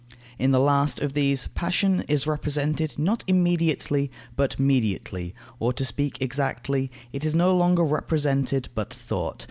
In the last of these, passion is represented, not immediately, but mediately, or, to speak exactly, it is no longer represented, but thought.